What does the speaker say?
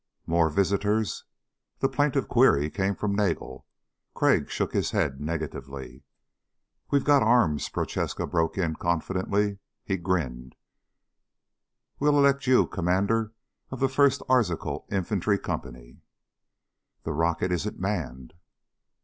"More visitors?" The plaintive query came from Nagel. Crag shook his head negatively. "We've got arms," Prochaska broke in confidently. He grinned "We'll elect you Commander of the First Arzachel Infantry Company." "This rocket isn't manned."